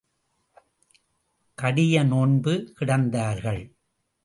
கடிய நோன்பு கிடந்தார்கள்.